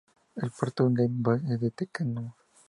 El puerto Game Boy es de Tecmo.